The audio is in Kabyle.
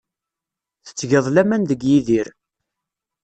Tettgeḍ laman deg Yidir.